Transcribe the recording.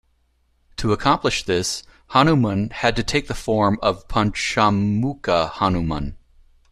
To accomplish this Hanuman had to take the form of Panchamukha Hanuman.